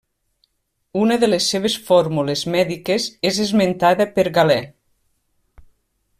Una de les seves fórmules mèdiques és esmentada per Galè.